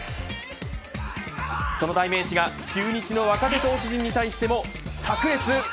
その代名詞が中日の若手投手陣に対してもさく裂。